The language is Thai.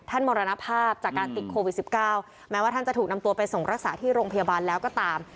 มรณภาพจากการติดโควิด๑๙แม้ว่าท่านจะถูกนำตัวไปส่งรักษาที่โรงพยาบาลแล้วก็ตาม